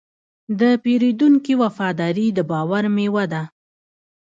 د پیرودونکي وفاداري د باور میوه ده.